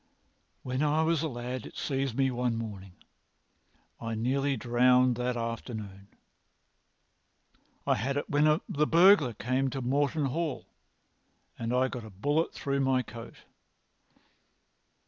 "When I was a lad it seized me one morning. I was nearly drowned that afternoon. I had it when the burglar came to Morton Hall and I got a bullet through my coat.